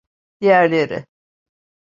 Diğerleri…